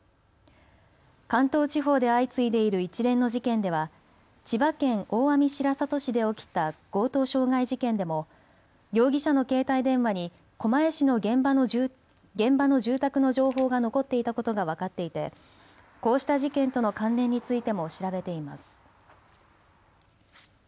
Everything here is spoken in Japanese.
関東地方で相次いでいる一連の事件では千葉県大網白里市で起きた強盗傷害事件でも容疑者の携帯電話に狛江市の現場の住宅の情報が残っていたことが分かっていてこうした事件との関連についても調べています。